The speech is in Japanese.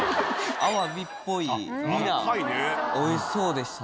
アワビっぽいミナおいしそうでしたね。